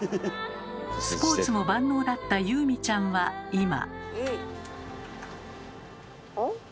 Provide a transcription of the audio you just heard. スポーツも万能だったゆうみちゃんは今。